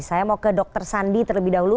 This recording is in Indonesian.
saya mau ke dr sandi terlebih dahulu